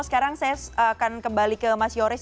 sekarang saya akan kembali ke mas yoris